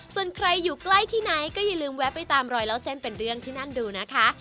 ส่วนใครอยู่ใกล้ที่ไหนก็อย่าลืมแวะไปตามรอยเล่าเส้นเป็นเรื่องที่นั่นดูนะคะ